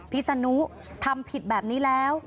พิศนุทำผิดแบบนี้แล้ว